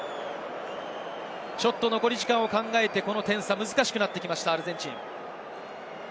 ちょっと残り時間を考えてこの点差、難しくなってきました、アルゼンチン。